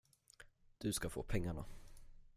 Du ska få pengarna.